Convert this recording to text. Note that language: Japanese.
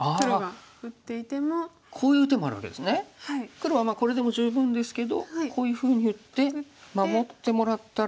黒はこれでも十分ですけどこういうふうに打って守ってもらったら。